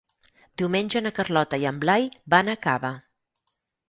Diumenge na Carlota i en Blai van a Cava.